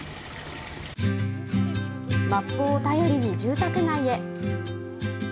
マップを頼りに住宅街へ。